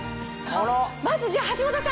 まずじゃあ橋本さん。